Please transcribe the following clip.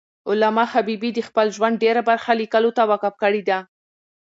علامه حبیبي د خپل ژوند ډېره برخه لیکلو ته وقف کړی ده.